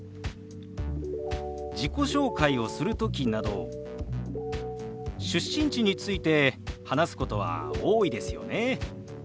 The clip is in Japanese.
自己紹介をする時など出身地について話すことは多いですよね。